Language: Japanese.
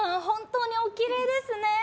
本当におきれいですね。